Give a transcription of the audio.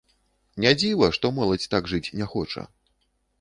Не дзіва, што моладзь так жыць не хоча.